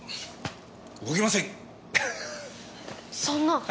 そんな。